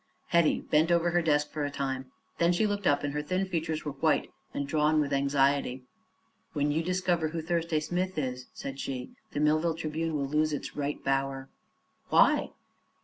Hetty bent over her desk for a time. Then she looked up and her thin features were white and drawn with anxiety. "When you discover who Thursday Smith is," said she, "the Millville Tribune will lose its right bower." "Why?"